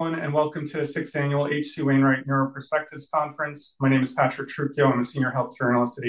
Welcome to the 6th Annual H.C. Wainwright Neuroperspectives Conference. My name is Patrick Trujillo. I'm a senior healthcare analyst at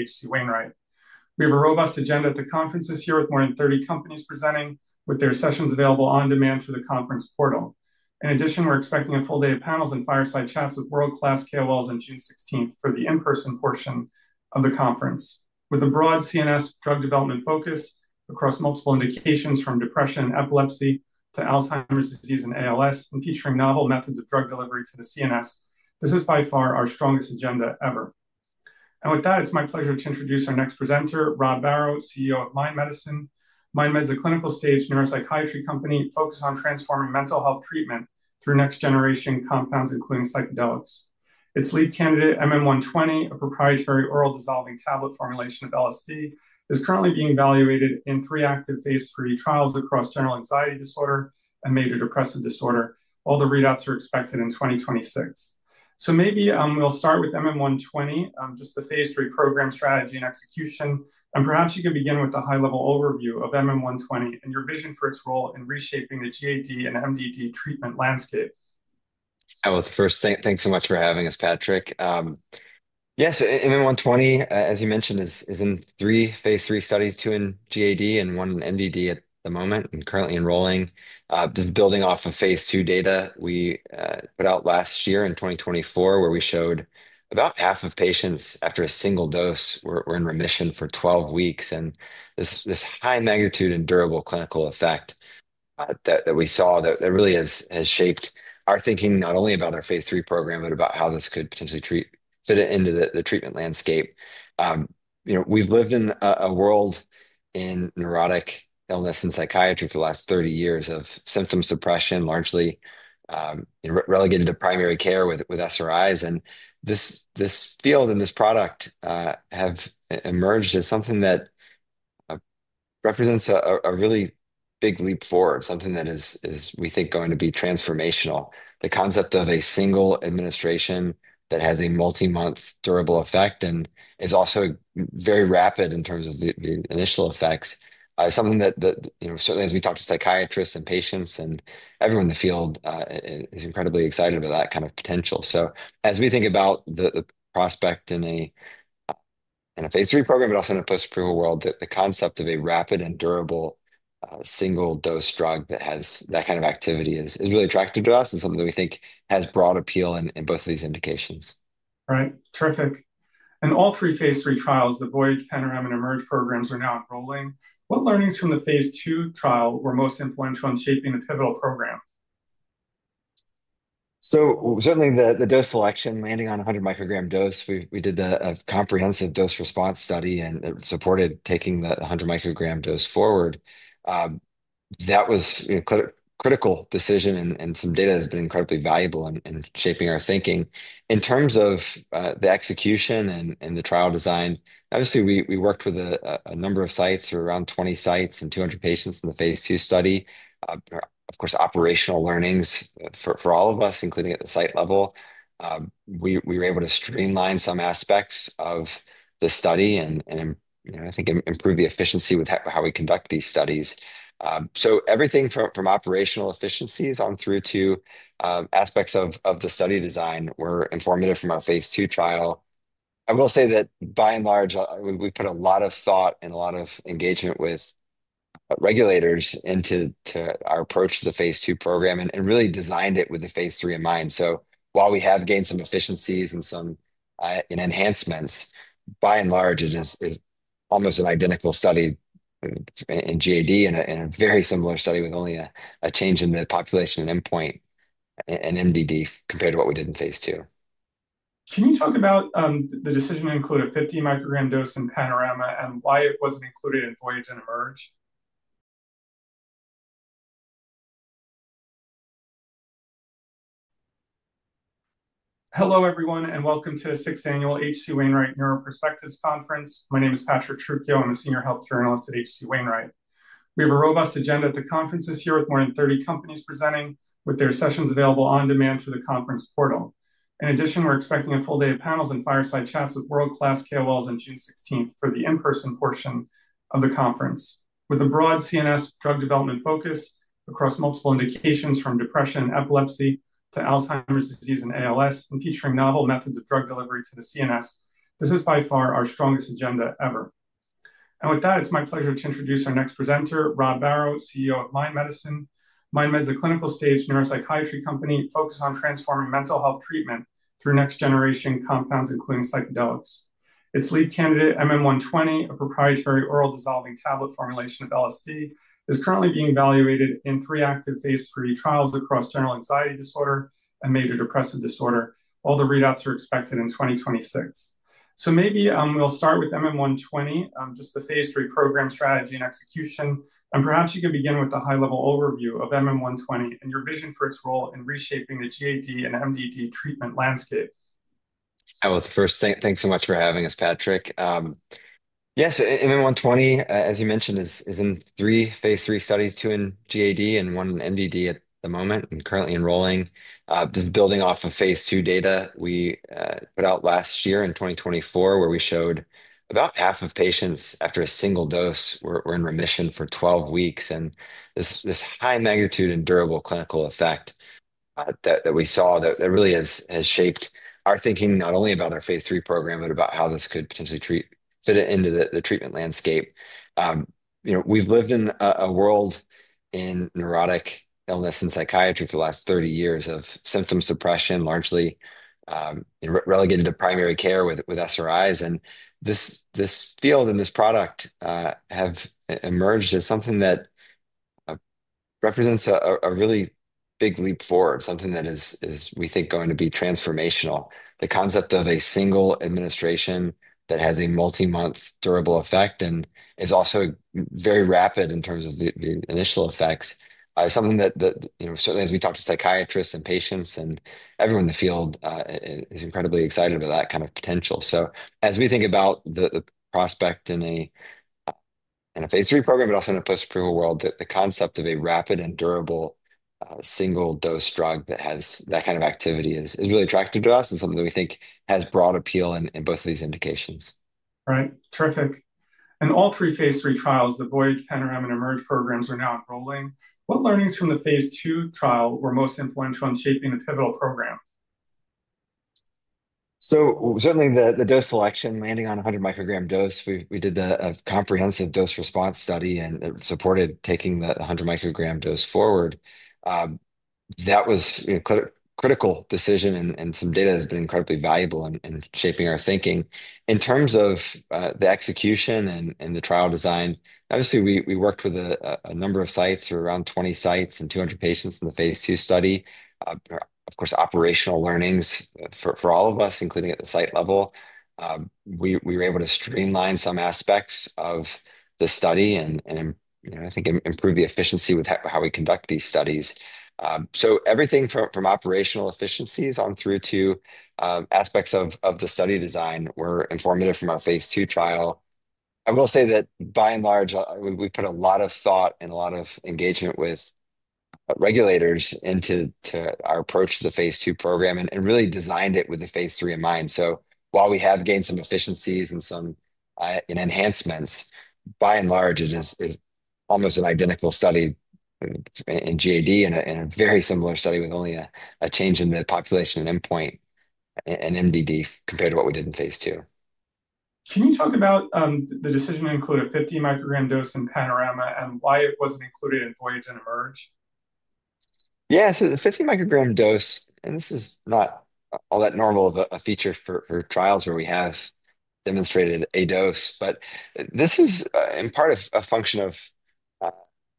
H.C. Wainwright. We have a robust agenda at the conference this year with more than 30 companies presenting, with their sessions available on demand through the conference portal. In addition, we're expecting a full day of panels and fireside chats with world-class KOLs on June 16th for the in-person portion of the conference. With a broad CNS drug development focus across multiple indications, from depression and epilepsy to Alzheimer's disease and ALS, and featuring novel methods of drug delivery to the CNS, this is by far our strongest agenda ever. It is my pleasure to introduce our next presenter, Rob Barrow, CEO of MindMed. MindMed is a clinical stage neuropsychiatry company focused on transforming mental health treatment through next-generation compounds, including psychedelics. Its lead candidate, MM 120, a proprietary oral dissolving tablet formulation of LSD, is currently being evaluated in three active 3 trials across general anxiety disorder and major depressive disorder. All the readouts are expected in 2026. Maybe we'll start with MM 120, just the phase 3 program strategy and execution. Perhaps you can begin with a high-level overview of MM 120 and your vision for its role in reshaping the GAD and MDD treatment landscape. First, thanks so much for having us, Patrick. Yes, MM 120, as you mentioned, is in three phase 3 studies, two in GAD and one in MDD at the moment, and currently enrolling. Just building off of phase 2 data we put out last year in 2024, where we showed about half of patients after a single dose were in remission for 12 weeks. This high magnitude and durable clinical effect that we saw, that really has shaped our thinking not only about our phase 3 program, but about how this could potentially fit into the treatment landscape. We've lived in a world in neurotic illness and psychiatry for the last 30 years of symptom suppression, largely relegated to primary care with SRIs. This field and this product have emerged as something that represents a really big leap forward, something that is, we think, going to be transformational. The concept of a single administration that has a multi-month durable effect and is also very rapid in terms of the initial effects is something that certainly, as we talk to psychiatrists and patients and everyone in the field, is incredibly excited about that kind of potential. As we think about the prospect in a phase 3 program, but also in a post-approval world, the concept of a rapid and durable single-dose drug that has that kind of activity is really attractive to us and something that we think has broad appeal in both of these indications. All right, terrific. All three phase 3 trials, the Voyage, Panorama, and Emerge programs are now enrolling. What learnings from the phase 2 trial were most influential in shaping the pivotal program? Certainly the dose selection, landing on a 100 microgram dose, we did a comprehensive dose response study and supported taking the 100 microgram dose forward. That was a critical decision, and some data has been incredibly valuable in shaping our thinking. In terms of the execution and the trial design, obviously, we worked with a number of sites, around 20 sites and 200 patients in the phase 2 study. Of course, operational learnings for all of us, including at the site level, we were able to streamline some aspects of the study and, I think, improve the efficiency with how we conduct these studies. Everything from operational efficiencies on through to aspects of the study design were informative from our phase 2 trial. I will say that by and large, we put a lot of thought and a lot of engagement with regulators into our approach to the phase 2 program and really designed it with the phase 3 in mind. While we have gained some efficiencies and some enhancements, by and large, it is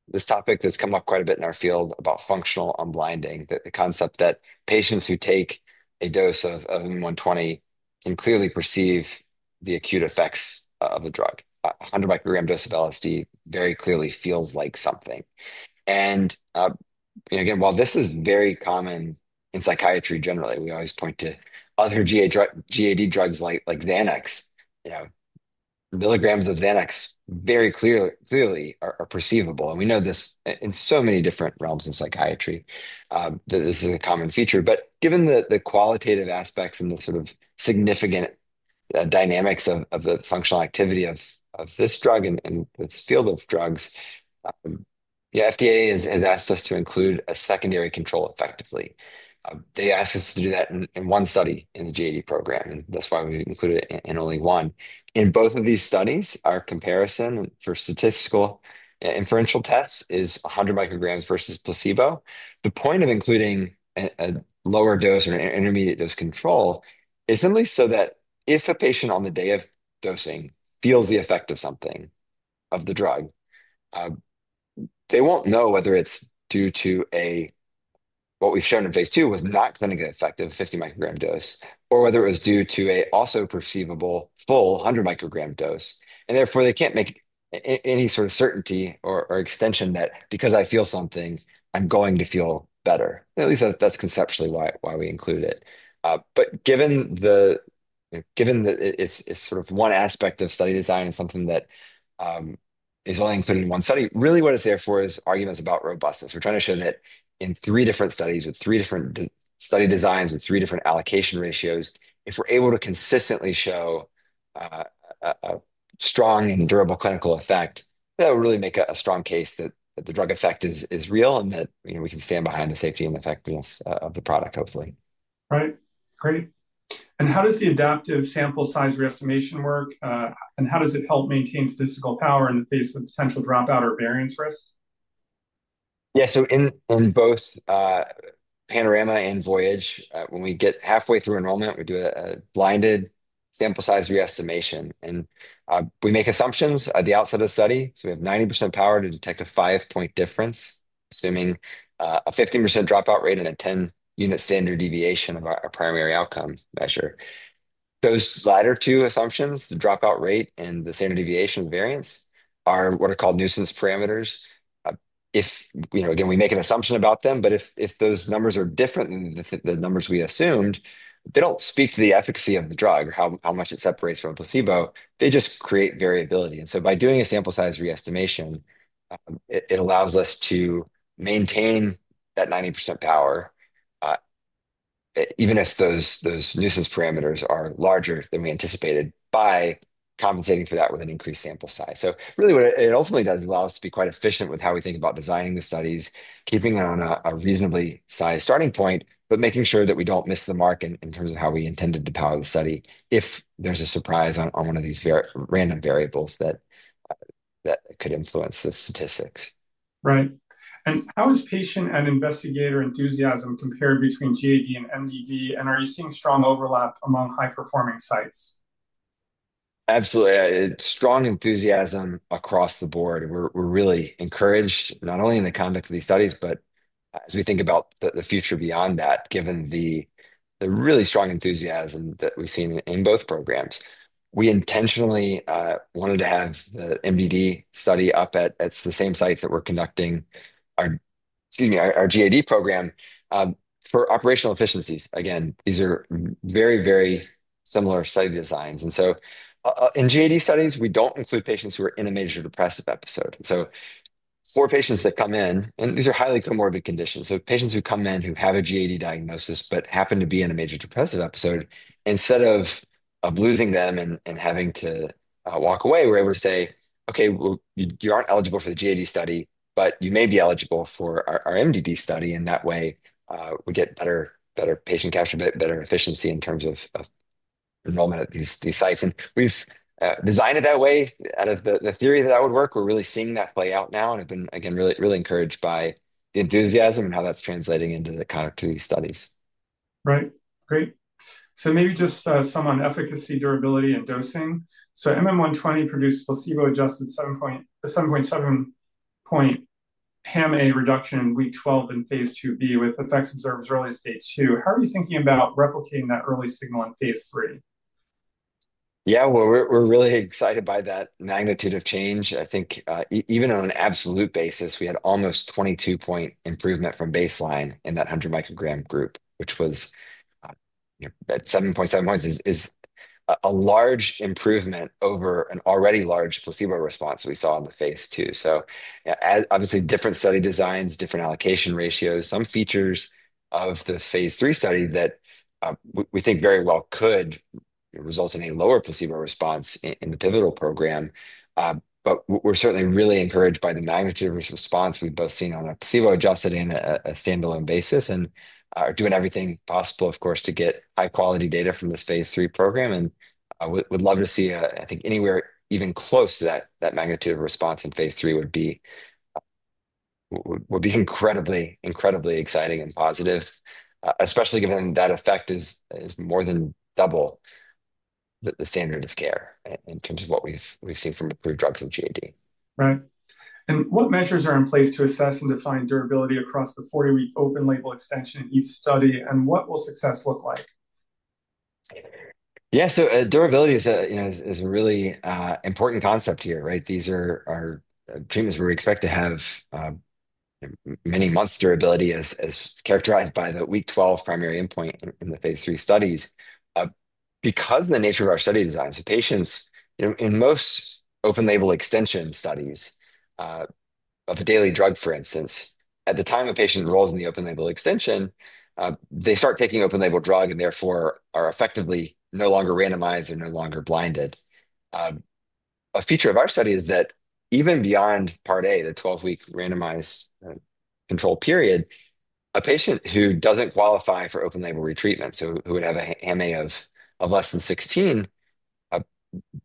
this topic that's come up quite a bit in our field about functional unblinding, the concept that patients who take a dose of MM-120 can clearly perceive the acute effects of the drug. A 100 microgram dose of LSD very clearly feels like something. Again, while this is very common in psychiatry generally, we always point to other GAD drugs like Xanax. Milligrams of Xanax very clearly are perceivable. We know this in so many different realms in psychiatry that this is a common feature. Given the qualitative aspects and the sort of significant dynamics of the functional activity of this drug and this field of drugs, the FDA has asked us to include a secondary control effectively. They asked us to do that in one study in the GAD program, and that's why we included it in only one. In both of these studies, our comparison for statistical inferential tests is 100 micrograms versus placebo. The point of including a lower dose or an intermediate dose control is simply so that if a patient on the day of dosing feels the effect of something of the drug, they won't know whether it's due to what we've shown in phase 2 was not clinically effective, a 50 microgram dose, or whether it was due to a also perceivable full 100 microgram dose. Therefore, they can't make any sort of certainty or extension that because I feel something, I'm going to feel better. At least that's conceptually why we include it. Given that it's sort of one aspect of study design and something that is only included in one study, really what it's there for is arguments about robustness. We're trying to show that in three different studies with three different study designs with three different allocation ratios, if we're able to consistently show a strong and durable clinical effect, that will really make a strong case that the drug effect is real and that we can stand behind the safety and effectiveness of the product, hopefully. Right, great. How does the adaptive sample size re-estimation work? How does it help maintain statistical power in the face of potential dropout or variance risk? Yeah, so in both Panorama and Voyage, when we get halfway through enrollment, we do a blinded sample size re-estimation. We make assumptions at the outset of the study. We have 90% power to detect a five-point difference, assuming a 15% dropout rate and a 10-unit standard deviation of our primary outcome measure. Those latter two assumptions, the dropout rate and the standard deviation variance, are what are called nuisance parameters. Again, we make an assumption about them, but if those numbers are different than the numbers we assumed, they do not speak to the efficacy of the drug or how much it separates from placebo. They just create variability. By doing a sample size re-estimation, it allows us to maintain that 90% power even if those nuisance parameters are larger than we anticipated by compensating for that with an increased sample size. What it ultimately does is allow us to be quite efficient with how we think about designing the studies, keeping it on a reasonably sized starting point, but making sure that we do not miss the mark in terms of how we intended to power the study if there is a surprise on one of these random variables that could influence the statistics. Right. How is patient and investigator enthusiasm compared between GAD and MDD? Are you seeing strong overlap among high-performing sites? Absolutely. Strong enthusiasm across the board. We're really encouraged not only in the conduct of these studies, but as we think about the future beyond that, given the really strong enthusiasm that we've seen in both programs. We intentionally wanted to have the MDD study up at the same sites that we're conducting our GAD program for operational efficiencies. These are very, very similar study designs. In GAD studies, we don't include patients who are in a major depressive episode. For patients that come in, and these are highly comorbid conditions, patients who come in who have a GAD diagnosis but happen to be in a major depressive episode, instead of losing them and having to walk away, we're able to say, "Okay, you aren't eligible for the GAD study, but you may be eligible for our MDD study." That way, we get better patient capture, better efficiency in terms of enrollment at these sites. We've designed it that way out of the theory that that would work. We're really seeing that play out now and have been, again, really encouraged by the enthusiasm and how that's translating into the conduct of these studies. Right, great. Maybe just some on efficacy, durability, and dosing. MM 120 produced placebo-adjusted 7.7 point HAM-A reduction in week 12 in phase 2b with effects observed as early as stage two. How are you thinking about replicating that early signal in phase 3? Yeah, we're really excited by that magnitude of change. I think even on an absolute basis, we had almost 22-point improvement from baseline in that 100 microgram group, which was at 7.7 points is a large improvement over an already large placebo response we saw in the phase 2. Obviously, different study designs, different allocation ratios, some features of the phase 3 study that we think very well could result in a lower placebo response in the pivotal program. We're certainly really encouraged by the magnitude of this response we've both seen on a placebo-adjusted and a standalone basis and are doing everything possible, of course, to get high-quality data from this phase 3 program. We'd love to see, I think, anywhere even close to that magnitude of response in phase 3 would be incredibly exciting and positive, especially given that effect is more than double the standard of care in terms of what we've seen from approved drugs in GAD. Right. What measures are in place to assess and define durability across the 40-week open label extension in each study? What will success look like? Yeah, so durability is a really important concept here, right? These are treatments where we expect to have many months' durability as characterized by the week 12 primary endpoint in the phase 3 studies. Because of the nature of our study design, patients in most open label extension studies of a daily drug, for instance, at the time a patient enrolls in the open label extension, they start taking open label drug and therefore are effectively no longer randomized and no longer blinded. A feature of our study is that even beyond part A, the 12-week randomized control period, a patient who does not qualify for open label retreatment, so who would have a HAM-A of less than 16,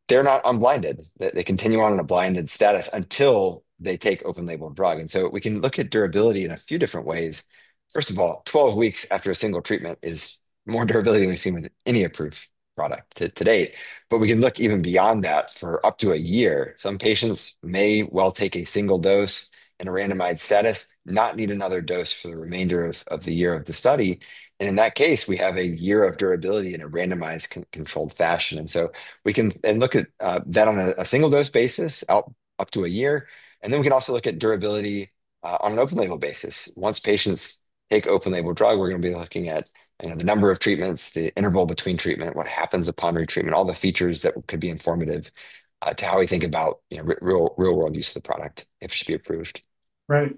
they are not unblinded. They continue on in a blinded status until they take open label drug. We can look at durability in a few different ways. First of all, 12 weeks after a single treatment is more durability than we've seen with any approved product to date. We can look even beyond that for up to a year. Some patients may well take a single dose in a randomized status, not need another dose for the remainder of the year of the study. In that case, we have a year of durability in a randomized controlled fashion. We can look at that on a single dose basis up to a year. We can also look at durability on an open label basis. Once patients take open label drug, we're going to be looking at the number of treatments, the interval between treatment, what happens upon retreatment, all the features that could be informative to how we think about real-world use of the product if it should be approved. Right.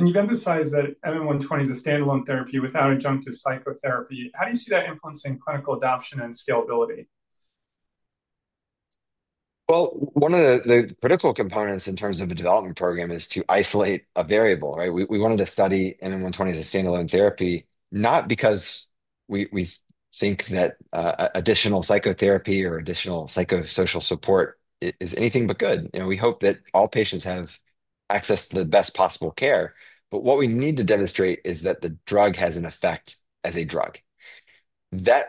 And you've emphasized that MM 120 is a standalone therapy without adjunctive psychotherapy. How do you see that influencing clinical adoption and scalability? One of the critical components in terms of a development program is to isolate a variable, right? We wanted to study MM 120 as a standalone therapy, not because we think that additional psychotherapy or additional psychosocial support is anything but good. We hope that all patients have access to the best possible care. What we need to demonstrate is that the drug has an effect as a drug. That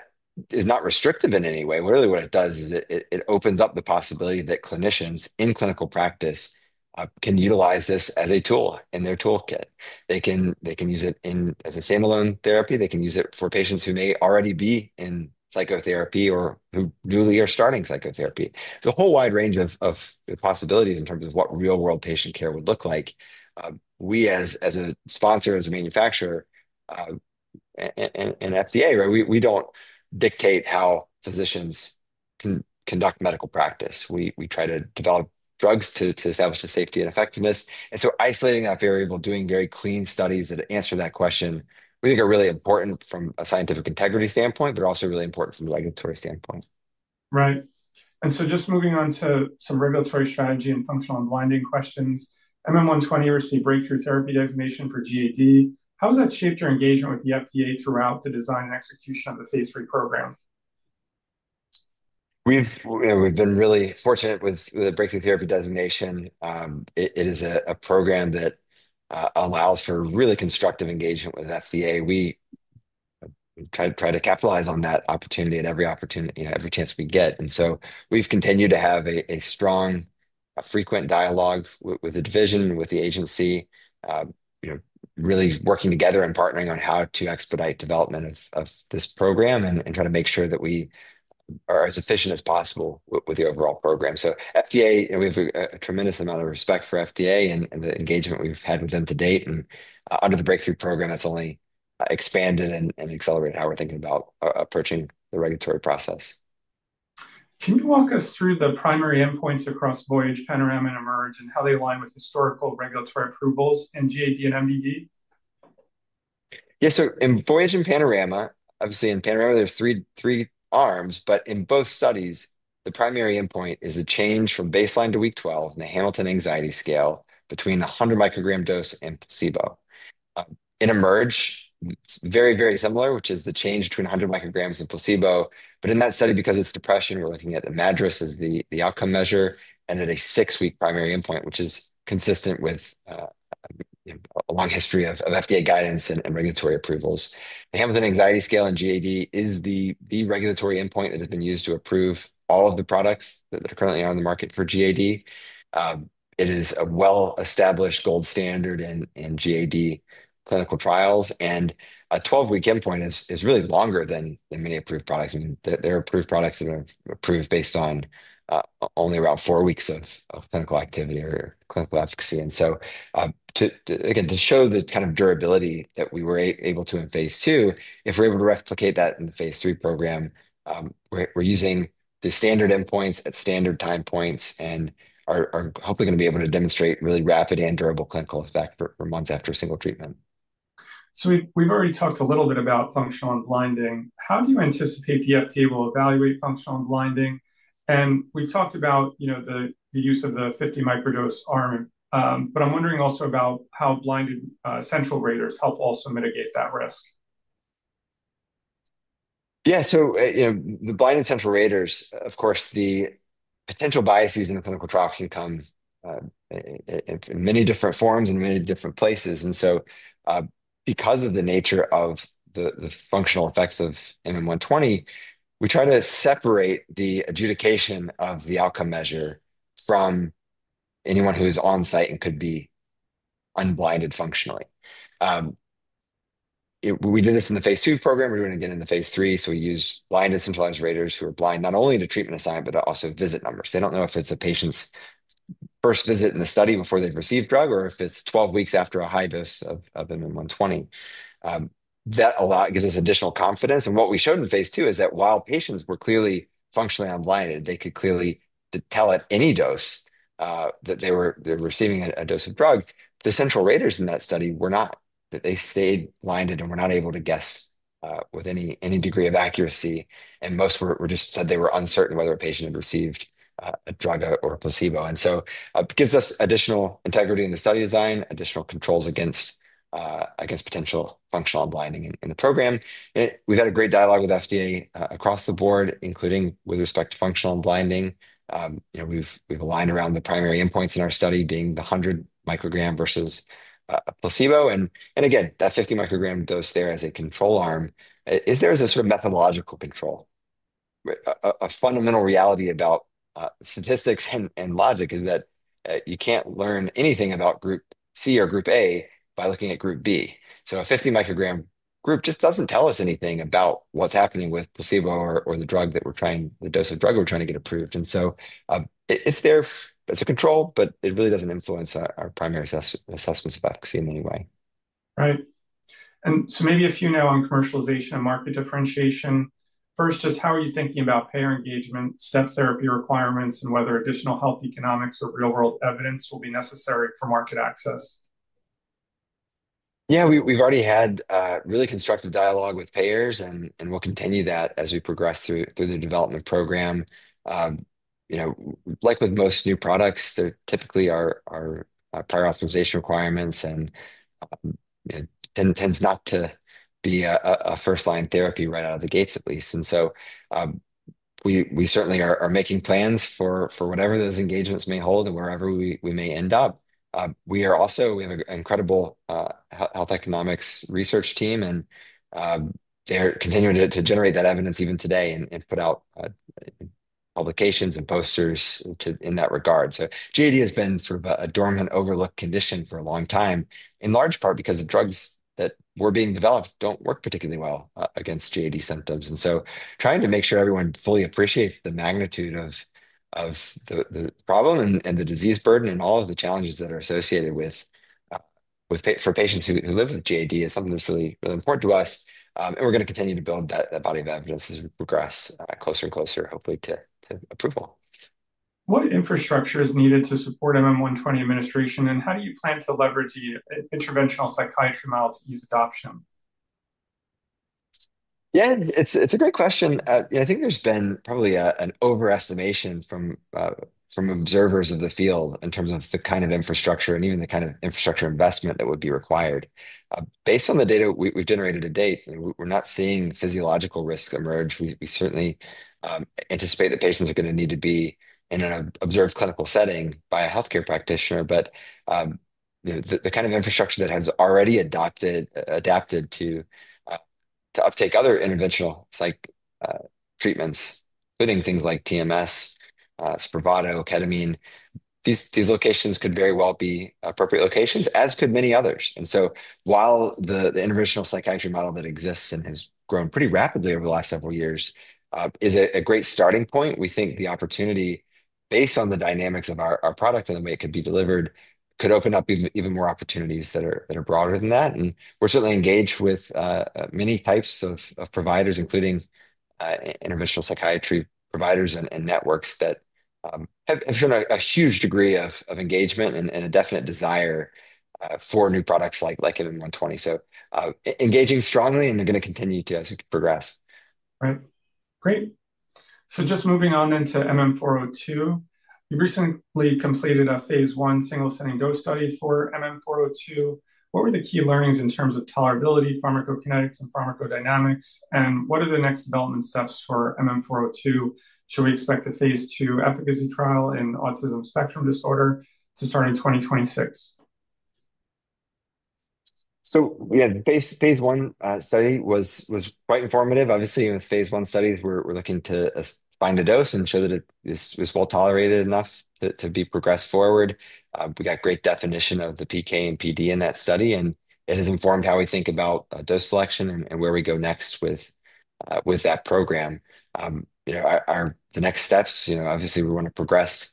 is not restrictive in any way. Really, what it does is it opens up the possibility that clinicians in clinical practice can utilize this as a tool in their toolkit. They can use it as a standalone therapy. They can use it for patients who may already be in psychotherapy or who newly are starting psychotherapy. It's a whole wide range of possibilities in terms of what real-world patient care would look like. We, as a sponsor, as a manufacturer and FDA, we do not dictate how physicians conduct medical practice. We try to develop drugs to establish the safety and effectiveness. Isolating that variable, doing very clean studies that answer that question, we think are really important from a scientific integrity standpoint, but also really important from a regulatory standpoint. Right. And so just moving on to some regulatory strategy and functional unblinding questions. MM 120 received breakthrough therapy designation for GAD. How has that shaped your engagement with the FDA throughout the design and execution of the phase 3 program? We've been really fortunate with the breakthrough therapy designation. It is a program that allows for really constructive engagement with FDA. We try to capitalize on that opportunity at every opportunity, every chance we get. We have continued to have a strong, frequent dialogue with the division, with the agency, really working together and partnering on how to expedite development of this program and try to make sure that we are as efficient as possible with the overall program. We have a tremendous amount of respect for FDA and the engagement we've had with them to date. Under the breakthrough program, that's only expanded and accelerated how we're thinking about approaching the regulatory process. Can you walk us through the primary endpoints across Voyage, Panorama, and Emerge and how they align with historical regulatory approvals in GAD and MDD? Yes, so in Voyage and Panorama, obviously in Panorama, there's three arms, but in both studies, the primary endpoint is the change from baseline to week 12 in the Hamilton anxiety scale between the 100 microgram dose and placebo. In Emerge, it's very, very similar, which is the change between 100 micrograms and placebo. But in that study, because it's depression, we're looking at the MADRS as the outcome measure and at a six-week primary endpoint, which is consistent with a long history of FDA guidance and regulatory approvals. The Hamilton anxiety scale in GAD is the regulatory endpoint that has been used to approve all of the products that are currently on the market for GAD. It is a well-established gold standard in GAD clinical trials. A 12-week endpoint is really longer than many approved products. There are approved products that are approved based on only around four weeks of clinical activity or clinical efficacy. Again, to show the kind of durability that we were able to in phase 2, if we're able to replicate that in the phase 3 program, we're using the standard endpoints at standard time points and are hopefully going to be able to demonstrate really rapid and durable clinical effect for months after a single treatment. We've already talked a little bit about functional unblinding. How do you anticipate the FDA will evaluate functional unblinding? We've talked about the use of the 50 microgram dose arm, but I'm wondering also about how blinded central raters help also mitigate that risk. Yeah, so the blinded central raters, of course, the potential biases in clinical trials can come in many different forms and many different places. Because of the nature of the functional effects of MM 120, we try to separate the adjudication of the outcome measure from anyone who is on site and could be unblinded functionally. We did this in the phase 2 program. We're doing it again in the phase 3. We use blinded centralized raters who are blind not only to treatment assignment, but also visit numbers. They don't know if it's a patient's first visit in the study before they've received drug or if it's 12 weeks after a high dose of MM 120. That gives us additional confidence. What we showed in phase 2 is that while patients were clearly functionally unblinded, they could clearly tell at any dose that they were receiving a dose of drug. The central raters in that study were not. They stayed blinded and were not able to guess with any degree of accuracy. Most just said they were uncertain whether a patient had received a drug or a placebo. It gives us additional integrity in the study design, additional controls against potential functional unblinding in the program. We have had a great dialogue with FDA across the board, including with respect to functional unblinding. We have aligned around the primary endpoints in our study being the 100 microgram versus placebo. That 50 microgram dose there as a control arm is there as a sort of methodological control. A fundamental reality about statistics and logic is that you can't learn anything about group C or group A by looking at group B. So a 50 microgram group just doesn't tell us anything about what's happening with placebo or the drug that we're trying, the dose of drug we're trying to get approved. And so it's there as a control, but it really doesn't influence our primary assessments of efficacy in any way. Right. Maybe a few now on commercialization and market differentiation. First, just how are you thinking about payer engagement, step therapy requirements, and whether additional health economics or real-world evidence will be necessary for market access? Yeah, we've already had really constructive dialogue with payers and will continue that as we progress through the development program. Like with most new products, there typically are prior authorization requirements and tends not to be a first-line therapy right out of the gates at least. We certainly are making plans for whatever those engagements may hold and wherever we may end up. We have an incredible health economics research team and they're continuing to generate that evidence even today and put out publications and posters in that regard. GAD has been sort of a dormant overlooked condition for a long time, in large part because the drugs that were being developed do not work particularly well against GAD symptoms. Trying to make sure everyone fully appreciates the magnitude of the problem and the disease burden and all of the challenges that are associated with for patients who live with GAD is something that's really important to us. We're going to continue to build that body of evidence as we progress closer and closer, hopefully to approval. What infrastructure is needed to support MM 120 administration? How do you plan to leverage the interventional psychiatry model to ease adoption? Yeah, it's a great question. I think there's been probably an overestimation from observers of the field in terms of the kind of infrastructure and even the kind of infrastructure investment that would be required. Based on the data we've generated to date, we're not seeing physiological risks emerge. We certainly anticipate that patients are going to need to be in an observed clinical setting by a healthcare practitioner. The kind of infrastructure that has already adapted to uptake other interventional psych treatments, including things like TMS, Spravato, Ketamine, these locations could very well be appropriate locations, as could many others. While the interventional psychiatry model that exists and has grown pretty rapidly over the last several years is a great starting point, we think the opportunity based on the dynamics of our product and the way it could be delivered could open up even more opportunities that are broader than that. We are certainly engaged with many types of providers, including interventional psychiatry providers and networks that have shown a huge degree of engagement and a definite desire for new products like MM 120. Engaging strongly and they are going to continue to as we progress. Right. Great. Just moving on into MM-402. You recently completed a phase 1 single-setting dose study for MM-402. What were the key learnings in terms of tolerability, pharmacokinetics, and pharmacodynamics? What are the next development steps for MM-402? Should we expect a phase 2 efficacy trial in autism spectrum disorder to start in 2026? We had phase 1 study was quite informative. Obviously, in phase 1 studies, we're looking to find a dose and show that it was well tolerated enough to be progressed forward. We got great definition of the PK and PD in that study, and it has informed how we think about dose selection and where we go next with that program. The next steps, obviously, we want to progress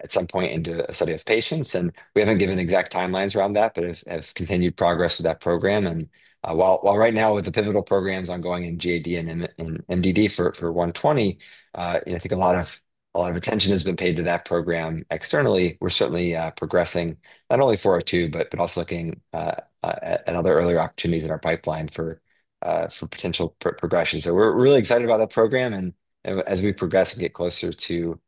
at some point into a study of patients. We haven't given exact timelines around that, but have continued progress with that program. While right now with the pivotal programs ongoing in GAD and MDD for 120, I think a lot of attention has been paid to that program externally. We're certainly progressing not only 402, but also looking at other earlier opportunities in our pipeline for potential progression. We're really excited about that program. As we progress and get closer to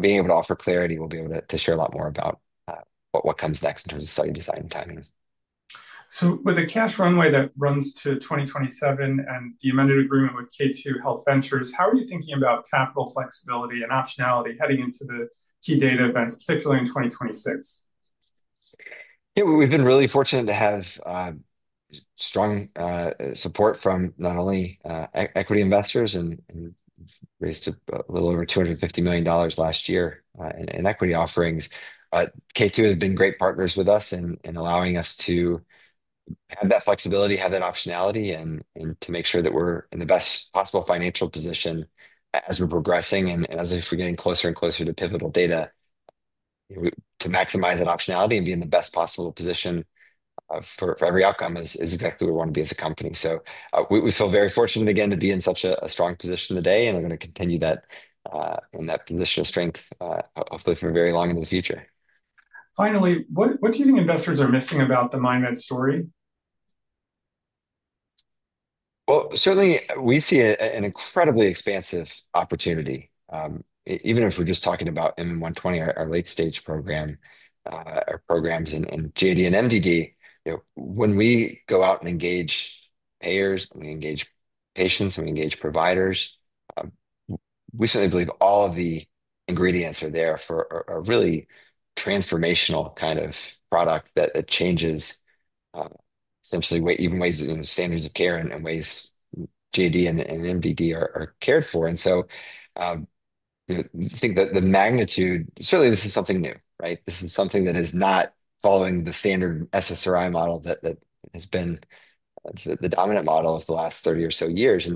being able to offer clarity, we'll be able to share a lot more about what comes next in terms of study design and timing. With a cash runway that runs to 2027 and the amended agreement with K2 Health Ventures, how are you thinking about capital flexibility and optionality heading into the key data events, particularly in 2026? We've been really fortunate to have strong support from not only equity investors and raised a little over $250 million last year in equity offerings. K2 has been great partners with us in allowing us to have that flexibility, have that optionality, and to make sure that we're in the best possible financial position as we're progressing and as if we're getting closer and closer to pivotal data to maximize that optionality and be in the best possible position for every outcome is exactly where we want to be as a company. We feel very fortunate again to be in such a strong position today and are going to continue that in that position of strength, hopefully for very long into the future. Finally, what do you think investors are missing about the MindMed story? Certainly we see an incredibly expansive opportunity, even if we're just talking about MM 120, our late-stage program, our programs in GAD and MDD. When we go out and engage payers, we engage patients, we engage providers, we certainly believe all of the ingredients are there for a really transformational kind of product that changes essentially even ways in standards of care and ways GAD and MDD are cared for. I think the magnitude, certainly this is something new, right? This is something that is not following the standard SSRI model that has been the dominant model of the last 30 or so years.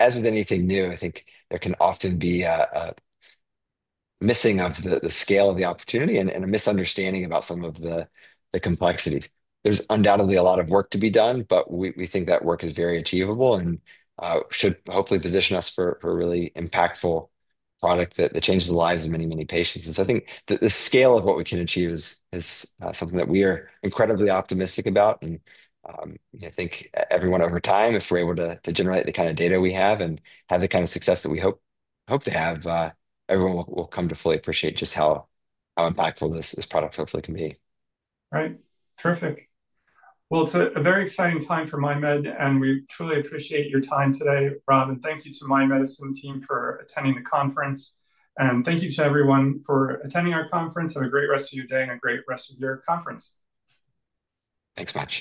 As with anything new, I think there can often be a missing of the scale of the opportunity and a misunderstanding about some of the complexities. There's undoubtedly a lot of work to be done, but we think that work is very achievable and should hopefully position us for a really impactful product that changes the lives of many, many patients. I think the scale of what we can achieve is something that we are incredibly optimistic about. I think everyone over time, if we're able to generate the kind of data we have and have the kind of success that we hope to have, everyone will come to fully appreciate just how impactful this product hopefully can be. Right. Terrific. It is a very exciting time for MindMed, and we truly appreciate your time today, Rob. Thank you to the MindMed team for attending the conference. Thank you to everyone for attending our conference. Have a great rest of your day and a great rest of your conference. Thanks much.